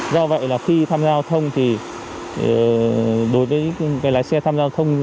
do vậy là khi tham gia giao thông thì đối với cái lái xe tham gia giao thông